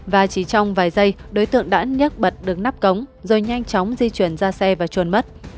và chỉ trong vài giây đối tượng đã nhắc bật được nắp cống rồi nhanh chóng di chuyển ra xe và chuồn mất